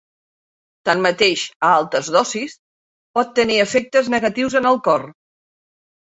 Tanmateix a altes dosis pot tenir efectes negatius en el cor.